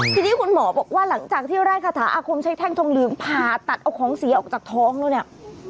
ทีนี้คุณหมอบอกว่าหลังจากที่ได้คาถาอาคมใช้แท่งทองลืมผ่าตัดเอาของเสียออกจากท้องแล้วเนี่ย